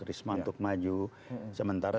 risma untuk maju sementara